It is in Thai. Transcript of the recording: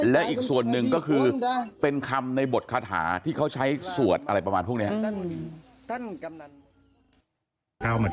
และอีกส่วนหนึ่งก็คือเป็นคำในบทคาถาที่เขาใช้สวดอะไรประมาณพวกนี้